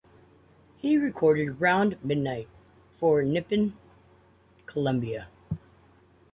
He recorded "Round Midnight" for Nippon Columbia.